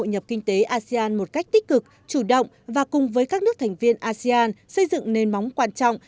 nhập kinh tế asean một cách tích cực chủ động và cùng với các nước thành viên asean xây dựng nền móng quan trọng